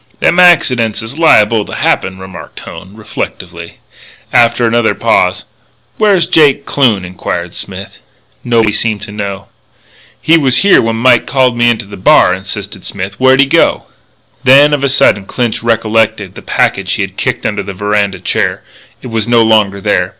"Them accidents is liable to happen," remarked Hone, reflectively. After another pause: "Where's Jake Kloon?" inquired Smith. Nobody seemed to know. "He was here when Mike called me into the bar," insisted Smith. "Where'd he go?" Then, of a sudden, Clinch recollected the packet which he had kicked under a veranda chair. It was no longer there.